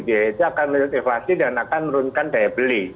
itu akan menurut insulasi dan akan menurunkan daya beli